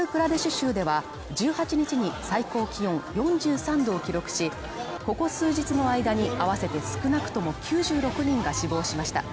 州では１８日に最高気温４３度を記録し、ここ数日の間に合わせて少なくとも９６人が死亡しました。